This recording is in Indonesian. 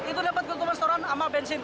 itu dapat ketutupan storan sama bensin